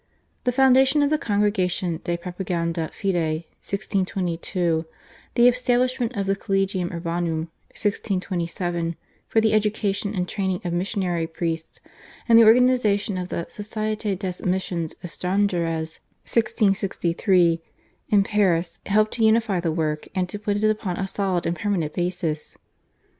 The foundation of the Congregation /De Propaganda Fide/ (1622), the establishment of the /Collegium Urbanum/ (1627) for the education and training of missionary priests, and the organisation of the /Societe des Missions Etrangeres/ (1663) in Paris helped to unify the work and to put it upon a solid and permanent basis.